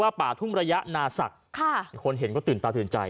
ป่าทุ่งระยะนาศักดิ์ค่ะคนเห็นก็ตื่นตาตื่นใจ